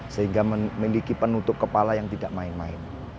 sehingga memiliki penutup kepala yang tidak main main